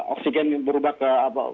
oksigen berubah ke